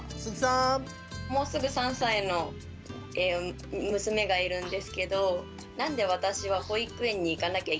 もうすぐ３歳の娘がいるんですけど「なんで私は保育園に行かなきゃいけないの？」